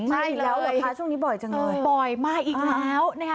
ใช่แล้วประพาช่วงนี้บ่อยจังเลยอือบ่อยมาอีกแล้วนะฮะ